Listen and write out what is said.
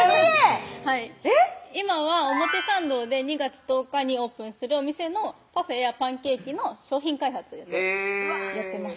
今は表参道で２月１０日にオープンするお店のパフェやパンケーキの商品開発をやってます